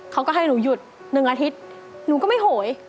เขาก็ให้หนูหยุด๑อาทิตย์หนูก็ไม่โหย